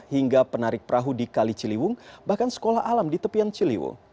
hingga penarik perahu di kali ciliwung bahkan sekolah alam di tepian ciliwung